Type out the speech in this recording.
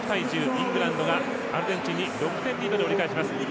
イングランドがアルゼンチンに６点リードで折り返します。